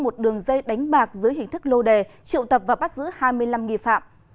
một đường dây đánh bạc dưới hình thức lô đề triệu tập và bắt giữ hai mươi năm nghi phạm